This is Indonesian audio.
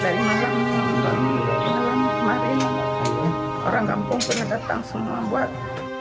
dari malam kemarin orang kampung pernah datang semua buat